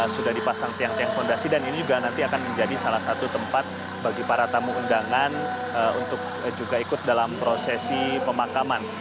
sudah dipasang tiang tiang fondasi dan ini juga nanti akan menjadi salah satu tempat bagi para tamu undangan untuk juga ikut dalam prosesi pemakaman